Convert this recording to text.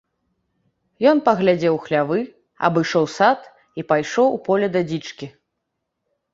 Ён паглядзеў у хлявы, абышоў сад і пайшоў у поле да дзічкі.